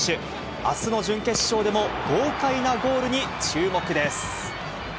あすの準決勝でも豪快なゴールに注目です。